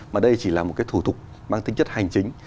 mà đây chỉ là một cái thủ tục mang tính chất hành chính